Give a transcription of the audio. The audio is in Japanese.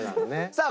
さあ